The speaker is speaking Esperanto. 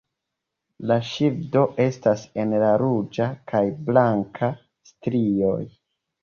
La ŝildo estas en la ruĝa kaj blanka strioj.